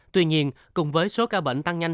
tuy nhiên cùng với số ca bệnh tăng nhanh